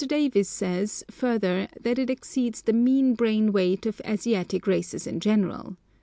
Davies says, further, that it exceeds the mean brain weight of Asiatic races in general.